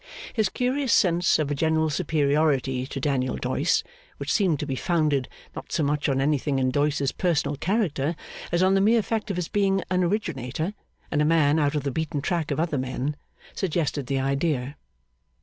His curious sense of a general superiority to Daniel Doyce, which seemed to be founded, not so much on anything in Doyce's personal character as on the mere fact of his being an originator and a man out of the beaten track of other men, suggested the idea.